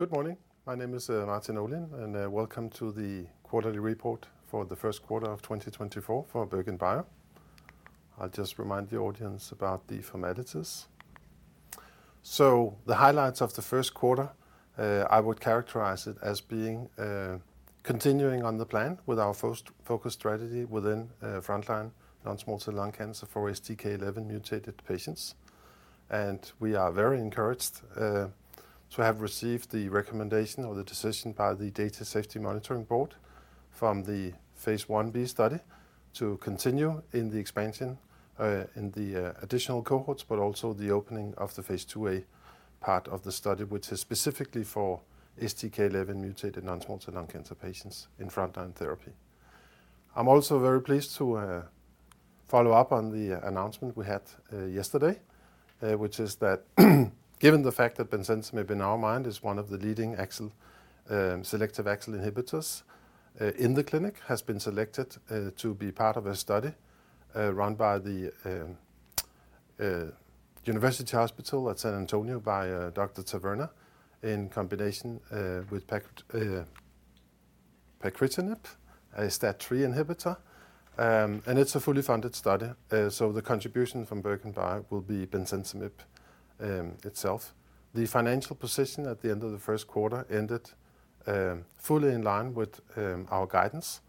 Good morning. My name is, Martin Olin, and, welcome to the quarterly report for the first quarter of 2024 for BerGenBio. I'll just remind the audience about the formalities. So the highlights of the first quarter, I would characterize it as being, continuing on the plan with our first focus strategy within, frontline non-small cell lung cancer for STK11 mutated patients. And we are very encouraged, to have received the recommendation or the decision by the Data Safety Monitoring Board from the phase 1b study to continue in the expansion, in the, additional cohorts, but also the opening of the phase 2a part of the study, which is specifically for STK11 mutated non-small cell lung cancer patients in frontline therapy. I'm also very pleased to follow up on the announcement we had yesterday, which is that, given the fact that bemcentinib in our mind is one of the leading AXL selective AXL inhibitors in the clinic, has been selected to be part of a study run by the University Hospital at San Antonio by Dr. Taverna, in combination with pacritinib, a STAT3 inhibitor. It's a fully funded study, so the contribution from BerGenBio will be bemcentinib itself. The financial position at the end of the first quarter ended fully in line with our guidance,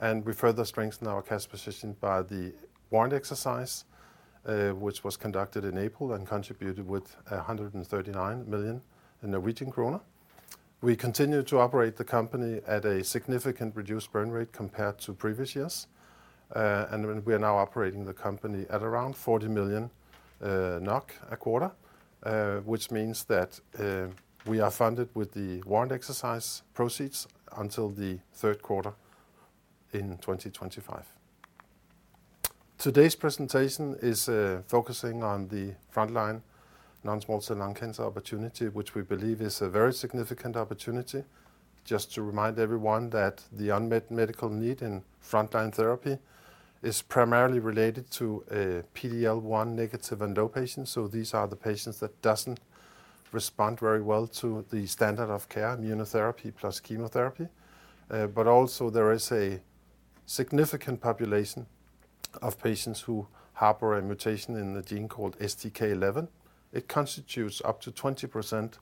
and we further strengthened our cash position by the warrant exercise which was conducted in April and contributed with 139 million in Norwegian kroner. We continued to operate the company at a significant reduced burn rate compared to previous years. We are now operating the company at around 40 million NOK a quarter, which means that we are funded with the warrant exercise proceeds until the third quarter in 2025. Today's presentation is focusing on the frontline non-small cell lung cancer opportunity, which we believe is a very significant opportunity. Just to remind everyone that the unmet medical need in frontline therapy is primarily related to PD-L1 negative and low patients. So these are the patients that doesn't respond very well to the standard of care, immunotherapy plus chemotherapy. But also there is a significant population of patients who harbor a mutation in the gene called STK11. It constitutes up to 20%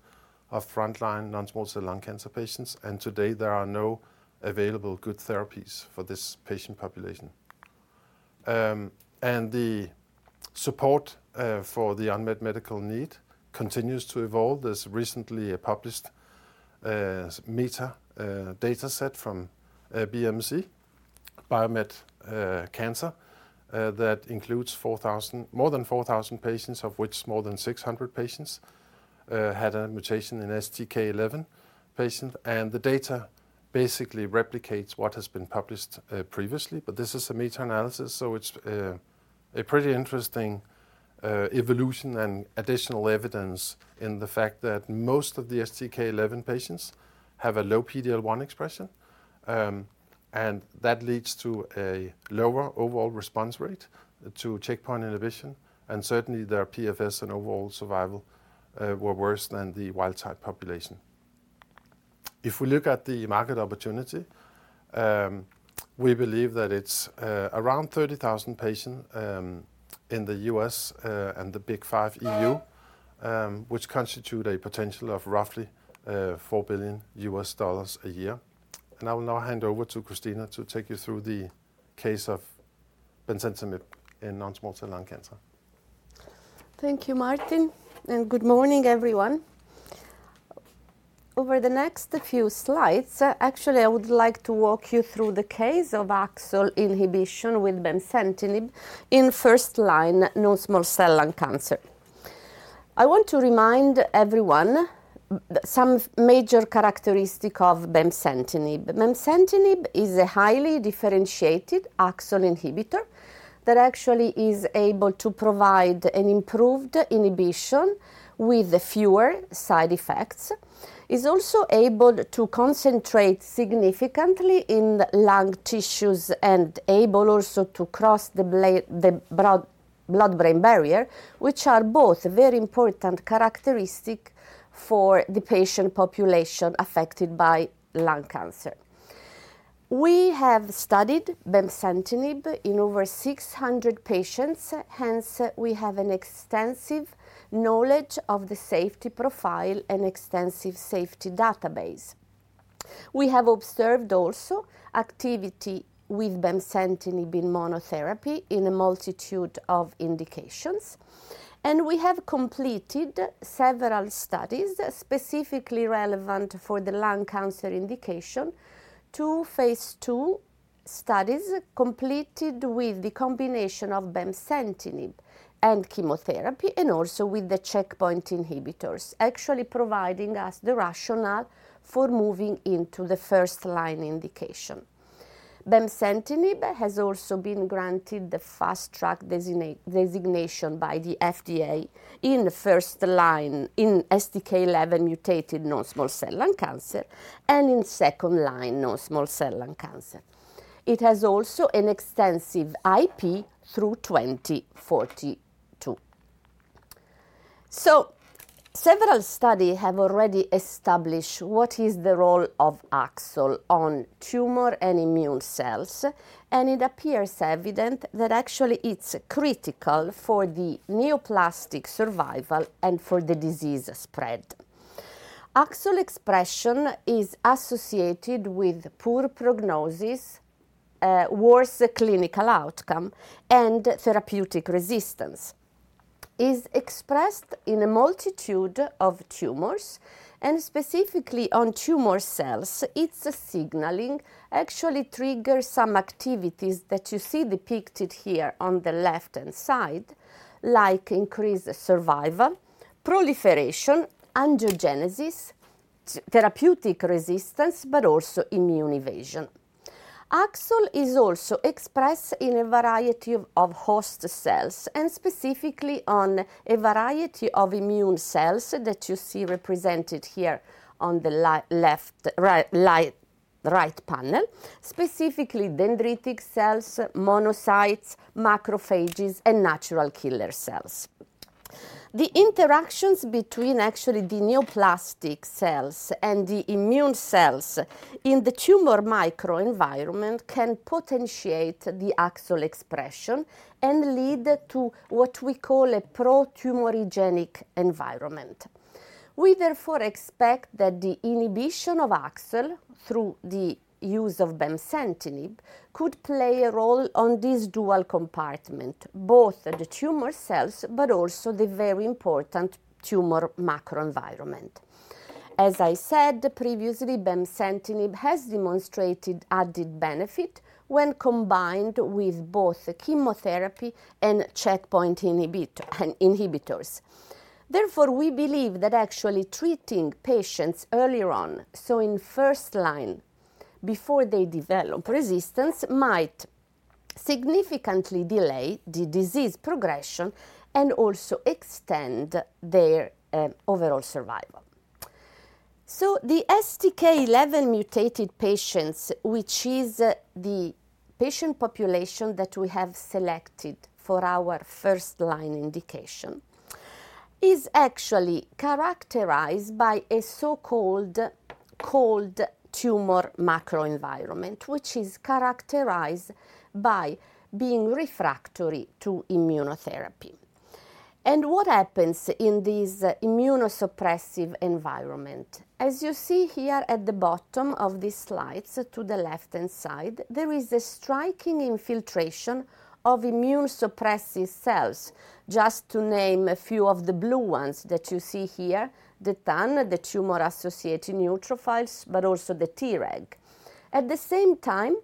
of frontline non-small cell lung cancer patients, and today there are no available good therapies for this patient population. And the support for the unmet medical need continues to evolve. There's recently a published meta data set from BMC Cancer that includes more than 4,000 patients, of which more than 600 patients had a mutation in STK11 patient. And the data basically replicates what has been published previously, but this is a meta-analysis, so it's a pretty interesting evolution and additional evidence in the fact that most of the STK11 patients have a low PD-L1 expression. And that leads to a lower overall response rate to checkpoint inhibition, and certainly their PFS and overall survival were worse than the wild type population. If we look at the market opportunity, we believe that it's around 30,000 patient in the US, and the big five EU, which constitute a potential of roughly $4 billion a year. I will now hand over to Cristina to take you through the case of bemcentinib in non-small cell lung cancer. Thank you, Martin, and good morning, everyone. Over the next few slides, actually, I would like to walk you through the case of AXL inhibition with bemcentinib in first-line non-small cell lung cancer. I want to remind everyone some major characteristic of bemcentinib. Bemcentinib is a highly differentiated AXL inhibitor that actually is able to provide an improved inhibition with fewer side effects. It is also able to concentrate significantly in lung tissues and able also to cross the blood-brain barrier, which are both very important characteristic for the patient population affected by lung cancer. We have studied bemcentinib in over 600 patients, hence we have an extensive knowledge of the safety profile and extensive safety database. We have observed also activity with bemcentinib in monotherapy in a multitude of indications, and we have completed several studies specifically relevant for the lung cancer indication. Two phase 2 studies completed with the combination of bemcentinib and chemotherapy, and also with the checkpoint inhibitors, actually providing us the rationale for moving into the first-line indication. Bemcentinib has also been granted the fast track designation by the FDA in the first line in STK11 mutated non-small cell lung cancer and in second line non-small cell lung cancer. It has also an extensive IP through 2042. So, several studies have already established what is the role of AXL on tumor and immune cells, and it appears evident that actually it's critical for the neoplastic survival and for the disease spread. AXL expression is associated with poor prognosis, worse clinical outcome, and therapeutic resistance. is expressed in a multitude of tumors, and specifically on tumor cells, its signaling actually triggers some activities that you see depicted here on the left-hand side, like increased survival, proliferation, angiogenesis, therapeutic resistance, but also immune evasion. AXL is also expressed in a variety of host cells, and specifically on a variety of immune cells that you see represented here on the left, right panel, specifically dendritic cells, monocytes, macrophages, and natural killer cells. The interactions between actually the neoplastic cells and the immune cells in the tumor microenvironment can potentiate the AXL expression and lead to what we call a pro-tumorigenic environment. We therefore expect that the inhibition of AXL through the use of bemcentinib could play a role on this dual compartment, both the tumor cells, but also the very important tumor microenvironment. As I said previously, bemcentinib has demonstrated added benefit when combined with both chemotherapy and checkpoint inhibitors. Therefore, we believe that actually treating patients earlier on, so in first line, before they develop resistance, might significantly delay the disease progression and also extend their overall survival. So the STK11-mutated patients, which is the patient population that we have selected for our first-line indication, is actually characterized by a so-called cold tumor microenvironment, which is characterized by being refractory to immunotherapy. What happens in this immunosuppressive environment? As you see here at the bottom of this slide, to the left-hand side, there is a striking infiltration of immunosuppressive cells. Just to name a few of the blue ones that you see here, the TAN, the tumor-associated neutrophils, but also the T-reg. At the same time,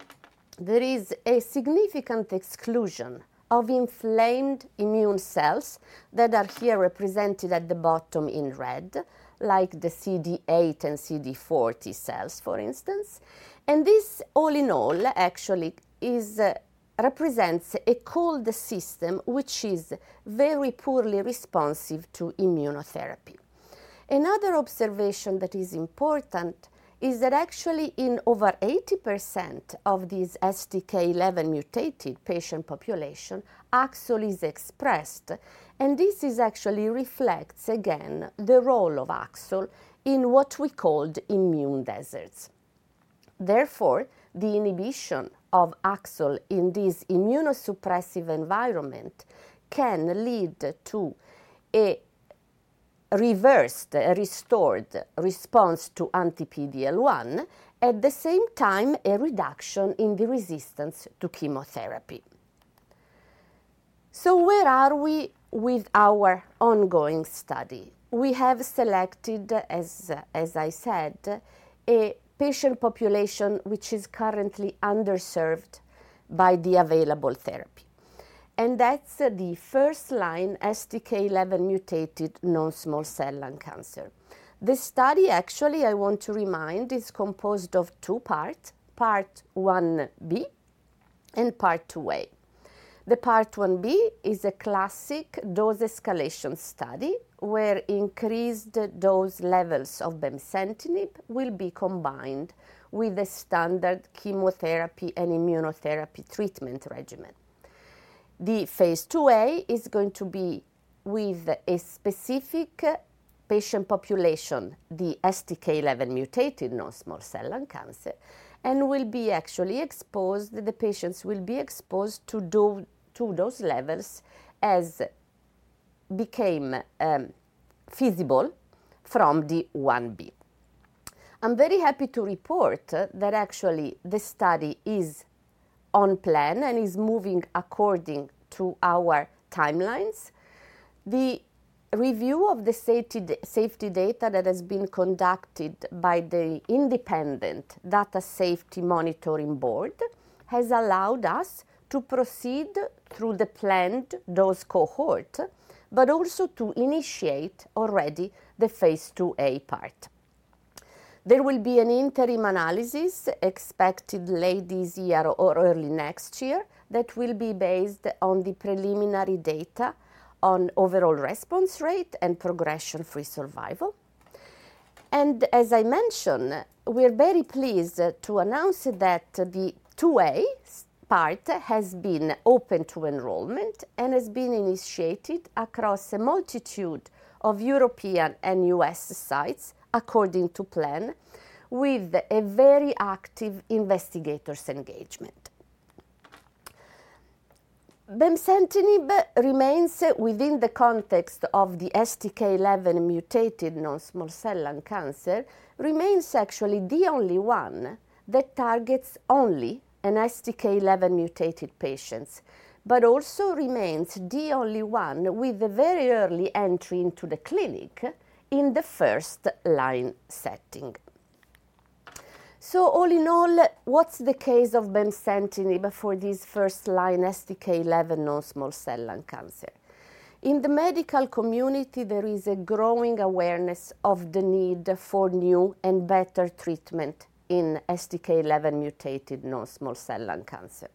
there is a significant exclusion of inflamed immune cells that are here represented at the bottom in red, like the CD8 and CD4 T cells, for instance. And this, all in all, actually is, represents a cold system, which is very poorly responsive to immunotherapy. Another observation that is important is that actually in over 80% of these STK11-mutated patient population, AXL is expressed, and this is actually reflects again, the role of AXL in what we called immune deserts. Therefore, the inhibition of AXL in this immunosuppressive environment can lead to a reversed, a restored response to anti-PD-L1, at the same time, a reduction in the resistance to chemotherapy. So where are we with our ongoing study? We have selected, as I said, a patient population which is currently underserved by the available therapy, and that's the first-line STK11-mutated non-small cell lung cancer. The study, actually, I want to remind, is composed of two parts: Phase 1b and Phase 2a. The Phase 1b is a classic dose-escalation study, where increased dose levels of bemcentinib will be combined with the standard chemotherapy and immunotherapy treatment regimen. The Phase 2a is going to be with a specific patient population, the STK11-mutated non-small cell lung cancer, and will actually be exposed to those levels as become feasible from the Phase 1b. I'm very happy to report that actually the study is on plan and is moving according to our timelines. The review of the safety data that has been conducted by the independent Data Safety Monitoring Board has allowed us to proceed through the planned dose cohort, but also to initiate already the Phase 2a part. There will be an interim analysis expected late this year or early next year that will be based on the preliminary data on overall response rate and progression-free survival. As I mentioned, we're very pleased to announce that the Phase 2a part has been open to enrollment and has been initiated across a multitude of European and U.S. sites according to plan, with a very active investigators engagement. Bemcentinib remains within the context of the STK11 mutated non-small cell lung cancer, remains actually the only one that targets only an STK11 mutated patients, but also remains the only one with a very early entry into the clinic in the first-line setting. So all in all, what's the case of bemcentinib for this first-line STK11 non-small cell lung cancer? In the medical community, there is a growing awareness of the need for new and better treatment in STK11 mutated non-small cell lung cancer.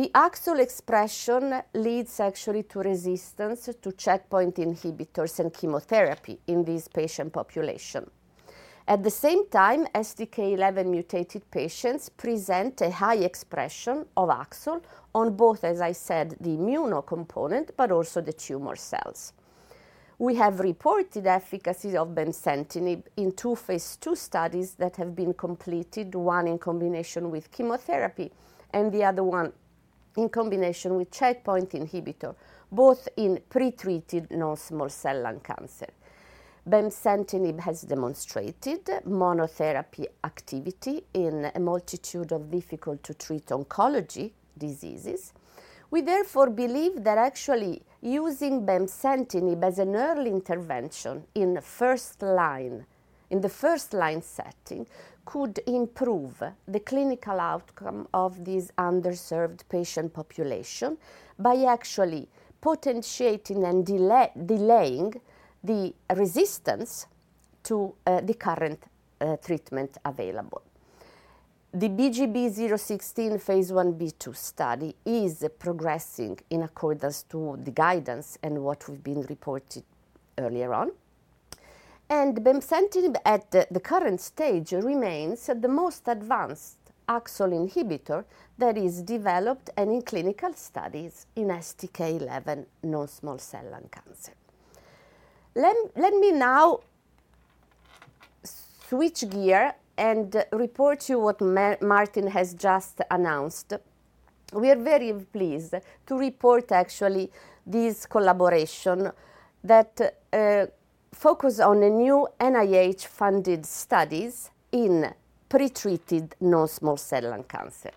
The AXL expression leads actually to resistance to checkpoint inhibitors and chemotherapy in this patient population. At the same time, STK11 mutated patients present a high expression of AXL on both, as I said, the immune component, but also the tumor cells. We have reported efficacy of bemcentinib in two phase II studies that have been completed, one in combination with chemotherapy and the other one in combination with checkpoint inhibitor, both in pre-treated non-small cell lung cancer. Bemcentinib has demonstrated monotherapy activity in a multitude of difficult-to-treat oncology diseases. We therefore believe that actually using bemcentinib as an early intervention in first line, in the first-line setting, could improve the clinical outcome of this underserved patient population by actually potentiating and delaying the resistance to, the current, treatment available. The BGB016 phase 1b/2 study is progressing in accordance to the guidance and what has been reported earlier on. And bemcentinib, at the current stage, remains the most advanced AXL inhibitor that is developed and in clinical studies in STK11 non-small cell lung cancer. Let me now switch gear and report to you what Martin has just announced. We are very pleased to report actually this collaboration that focus on a new NIH-funded studies in pre-treated non-small cell lung cancer.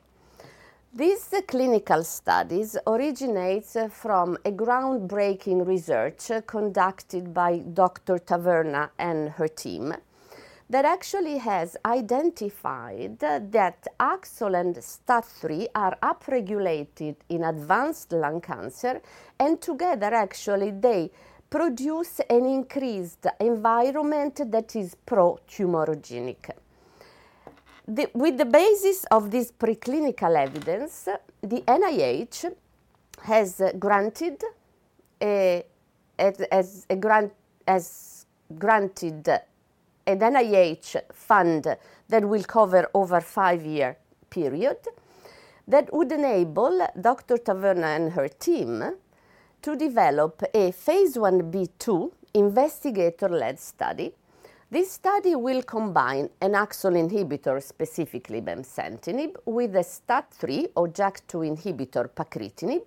These clinical studies originates from a groundbreaking research conducted by Dr. Taverna and her team, that actually has identified that AXL and STAT3 are upregulated in advanced lung cancer, and together, actually, they produce an increased environment that is pro-tumorigenic. With the basis of this preclinical evidence, the NIH has granted a grant, has granted an NIH fund that will cover over 5-year period, that would enable Dr. Taverna and her team to develop a Phase 1b/2 investigator-led study. This study will combine an AXL inhibitor, specifically bemcentinib, with a STAT3 or JAK2 inhibitor, pacritinib,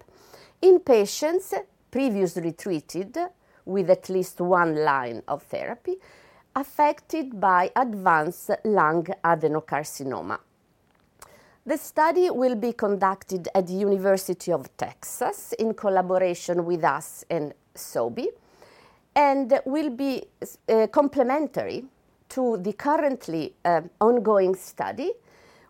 in patients previously treated with at least one line of therapy affected by advanced lung adenocarcinoma. The study will be conducted at the University of Texas in collaboration with us and Sobi, and will be complementary to the currently ongoing study.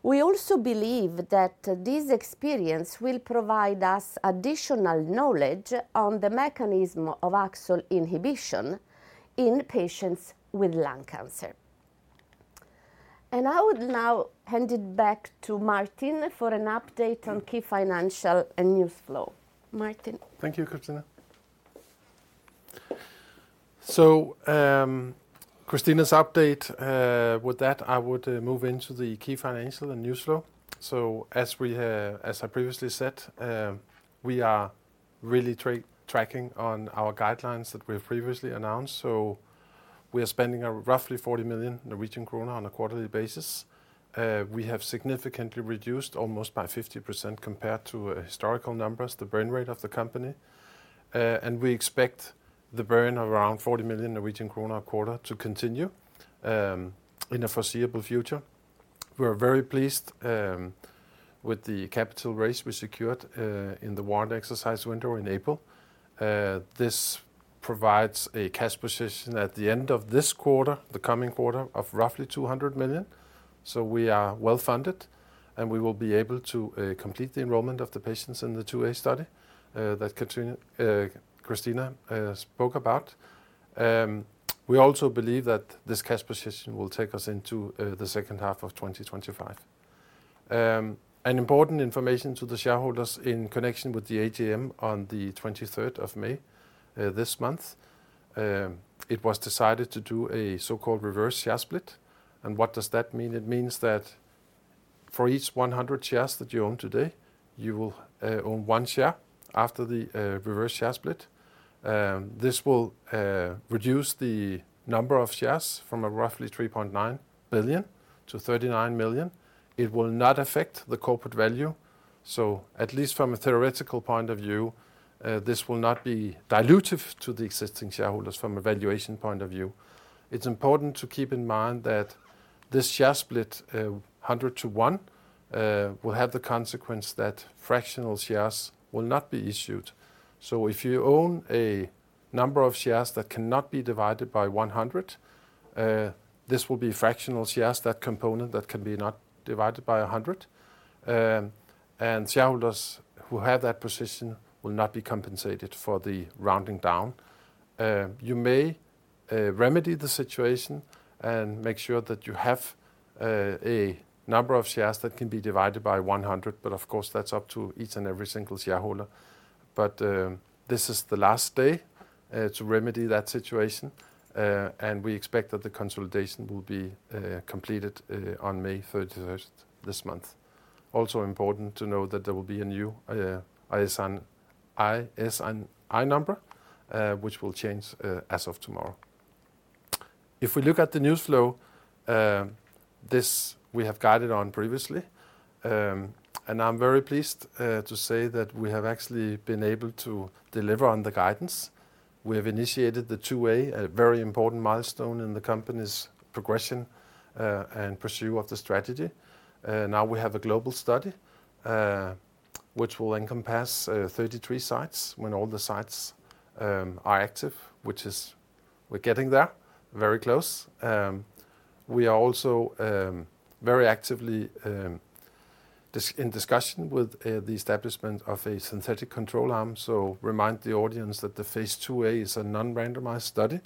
We also believe that this experience will provide us additional knowledge on the mechanism of AXL inhibition in patients with lung cancer. And I would now hand it back to Martin for an update on key financial and news flow. Martin? Thank you, Cristina. Cristina's update, with that, I would move into the key financial and news flow. As I previously said, we are really tracking on our guidelines that we have previously announced, so we are spending roughly 40 million Norwegian kroner on a quarterly basis. We have significantly reduced, almost by 50% compared to historical numbers, the burn rate of the company. And we expect the burn of around 40 million Norwegian kroner a quarter to continue in the foreseeable future. We are very pleased with the capital raise we secured in the warrant exercise window in April. This provides a cash position at the end of this quarter, the coming quarter, of roughly 200 million. So we are well-funded, and we will be able to complete the enrollment of the patients in the 2a study that Cristina spoke about. We also believe that this cash position will take us into the second half of 2025. An important information to the shareholders in connection with the AGM on the twenty-third of May this month. It was decided to do a so-called reverse share split. And what does that mean? It means that for each 100 shares that you own today, you will own 1 share after the reverse share split. This will reduce the number of shares from a roughly 3.9 billion to 39 million. It will not affect the corporate value. So at least from a theoretical point of view, this will not be dilutive to the existing shareholders from a valuation point of view. It's important to keep in mind that this share split, 100 to 1, will have the consequence that fractional shares will not be issued. So if you own a number of shares that cannot be divided by 100, this will be fractional shares, that component that can be not divided by 100. And shareholders who have that position will not be compensated for the rounding down. You may remedy the situation and make sure that you have a number of shares that can be divided by 100, but of course, that's up to each and every single shareholder. But this is the last day to remedy that situation. And we expect that the consolidation will be completed on May 31st, this month. Also important to know that there will be a new ISIN number, which will change as of tomorrow. If we look at the news flow, this we have guided on previously. And I'm very pleased to say that we have actually been able to deliver on the guidance. We have initiated the 2a, a very important milestone in the company's progression, and pursue of the strategy. Now we have a global study, which will encompass 33 sites when all the sites are active, which is. We're getting there, very close. We are also very actively in discussion with the establishment of a synthetic control arm. So remind the audience that the phase 2a is a non-randomized study.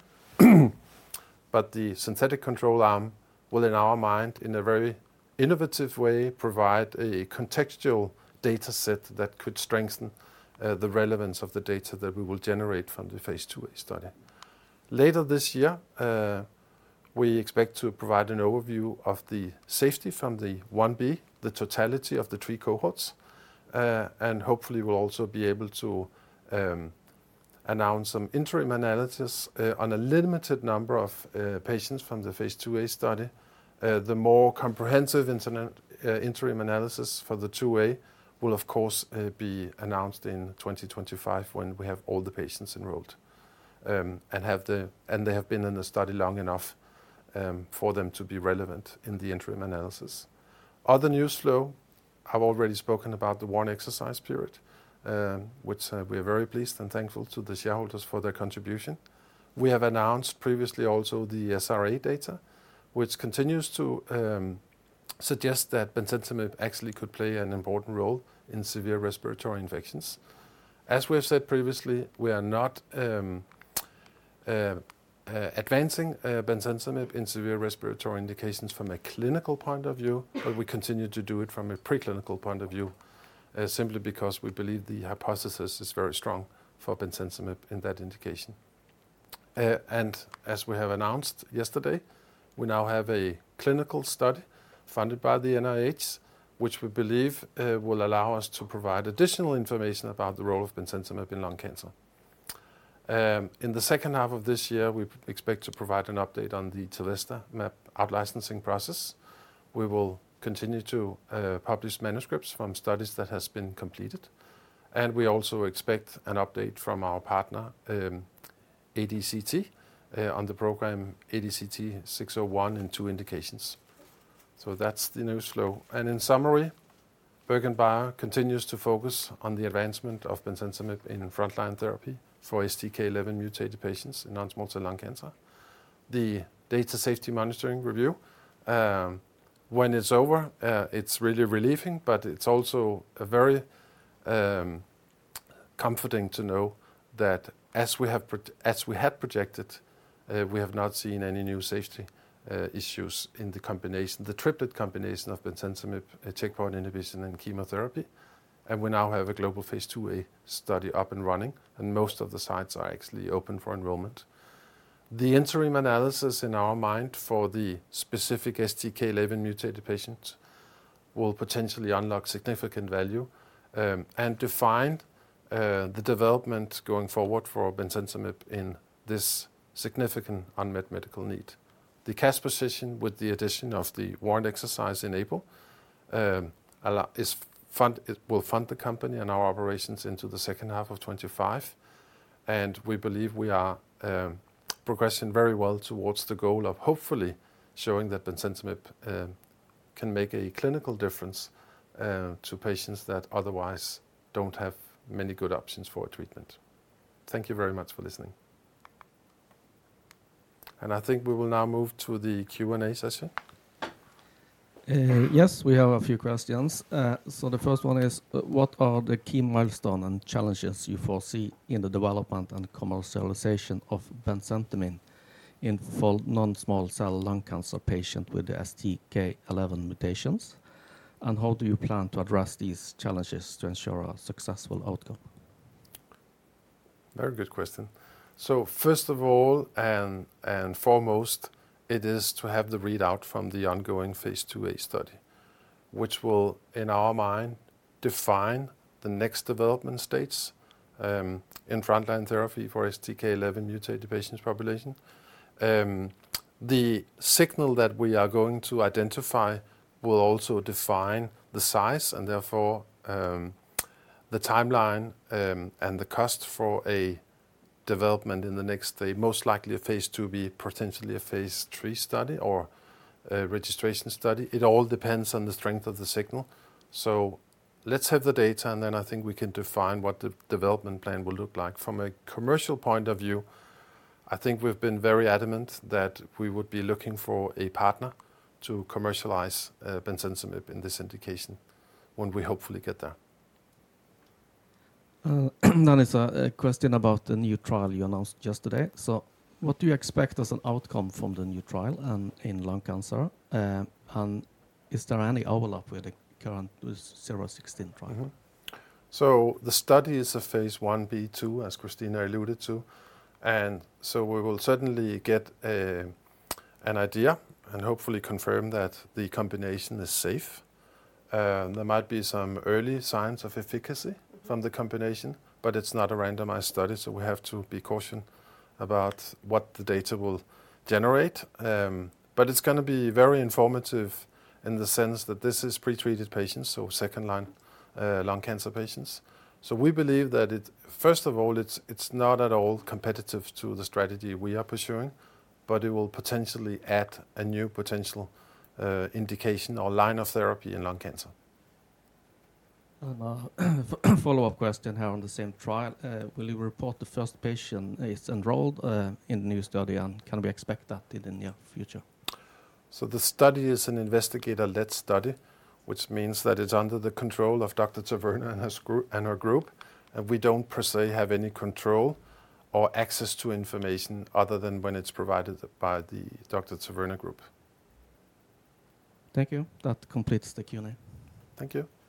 But the synthetic control arm will, in our mind, in a very innovative way, provide a contextual data set that could strengthen the relevance of the data that we will generate from the phase 2a study. Later this year, we expect to provide an overview of the safety from the 1b, the totality of the three cohorts. And hopefully, we'll also be able to announce some interim analysis on a limited number of patients from the phase 2a study. The more comprehensive interim analysis for the 2a will of course be announced in 2025, when we have all the patients enrolled, and they have been in the study long enough for them to be relevant in the interim analysis. Other news flow, I've already spoken about the warrant exercise period, which we are very pleased and thankful to the shareholders for their contribution. We have announced previously also the SRI data, which continues to suggest that bemcentinib actually could play an important role in severe respiratory infections. As we have said previously, we are not advancing bemcentinib in severe respiratory indications from a clinical point of view, but we continue to do it from a preclinical point of view, simply because we believe the hypothesis is very strong for bemcentinib in that indication. And as we have announced yesterday, we now have a clinical study funded by the NIH, which we believe will allow us to provide additional information about the role of bemcentinib in lung cancer. In the second half of this year, we expect to provide an update on the tilvestamab out licensing process. We will continue to publish manuscripts from studies that has been completed, and we also expect an update from our partner, ADCT, on the program ADCT-601 in two indications. So that's the new flow. In summary, BerGenBio continues to focus on the advancement of bemcentinib in frontline therapy for STK11-mutated patients in non-small cell lung cancer. The data safety monitoring review, when it's over, it's really relieving, but it's also a very comforting to know that as we had projected, we have not seen any new safety issues in the combination, the triplet combination of bemcentinib, a checkpoint inhibitor, and chemotherapy. We now have a global phase 2a study up and running, and most of the sites are actually open for enrollment. The interim analysis in our mind for the specific STK11-mutated patients will potentially unlock significant value, and define the development going forward for bemcentinib in this significant unmet medical need. The cash position with the addition of the warrant exercise in April will fund the company and our operations into the second half of 2025, and we believe we are progressing very well towards the goal of hopefully showing that bemcentinib can make a clinical difference to patients that otherwise don't have many good options for treatment. Thank you very much for listening. I think we will now move to the Q&A session. Yes, we have a few questions. So the first one is, what are the key milestone and challenges you foresee in the development and commercialization of bemcentinib for non-small cell lung cancer patient with STK11 mutations? And how do you plan to address these challenges to ensure a successful outcome? Very good question. So first of all, and foremost, it is to have the readout from the ongoing phase 2a study, which will, in our mind, define the next development stages, in frontline therapy for STK11-mutated patient population. The signal that we are going to identify will also define the size, and therefore, the timeline, and the cost for a development in the next, most likely a phase 2b, potentially a phase 3 study or a registration study. It all depends on the strength of the signal. So let's have the data, and then I think we can define what the development plan will look like. From a commercial point of view, I think we've been very adamant that we would be looking for a partner to commercialize, bemcentinib in this indication when we hopefully get there. It's a question about the new trial you announced yesterday. What do you expect as an outcome from the new trial in lung cancer? And is there any overlap with the current 016 trial? Mm-hmm. So the study is a phase 1b/2, as Cristina alluded to, and so we will certainly get an idea and hopefully confirm that the combination is safe. There might be some early signs of efficacy from the combination, but it's not a randomized study, so we have to be cautious about what the data will generate. But it's gonna be very informative in the sense that this is pre-treated patients, so second-line lung cancer patients. So we believe that it. First of all, it's not at all competitive to the strategy we are pursuing, but it will potentially add a new potential indication or line of therapy in lung cancer. A follow-up question here on the same trial. Will you report the first patient is enrolled, in the new study, and can we expect that in the near future? So the study is an investigator-led study, which means that it's under the control of Dr. Taverna and his group, and her group, and we don't per se have any control or access to information other than when it's provided by the Dr. Taverna group. Thank you. That completes the Q&A. Thank you.